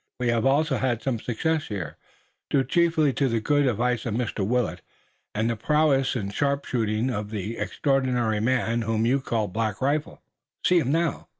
"We have also had some success here, due chiefly to the good advice of Mr. Willet, and the prowess and sharpshooting of the extraordinary man whom you call Black Rifle. See him now!"